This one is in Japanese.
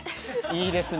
いいですね！